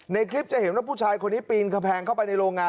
ในคลิปจะเห็นว่าผู้ชายคนนี้ปีนกำแพงเข้าไปในโรงงาน